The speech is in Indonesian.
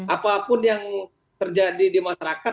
apapun yang terjadi di masyarakat